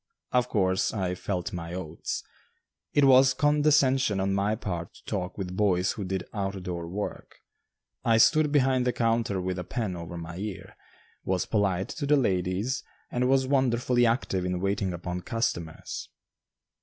Of course I "felt my oats." It was condescension on my part to talk with boys who did out door work. I stood behind the counter with a pen over my ear, was polite to the ladies, and was wonderfully active in waiting upon customers.